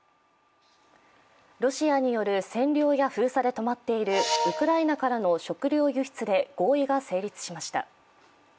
ロシアによる占領や封鎖で止まっているウクライナからの食糧輸出で合意が成立しました。